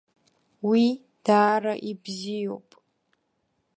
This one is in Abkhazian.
Уи даара ибзиоуп.